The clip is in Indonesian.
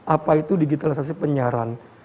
apa itu digitalisasi penyiaran